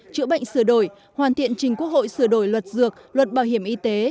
chữa bệnh sửa đổi hoàn thiện trình quốc hội sửa đổi luật dược luật bảo hiểm y tế